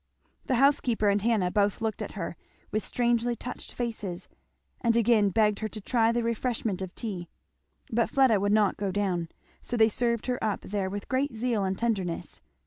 The housekeeper and Hannah both looked at her with strangely touched faces, and again begged her to try the refreshment of tea. But Fleda would not go down, so they served her up there with great zeal and tenderness.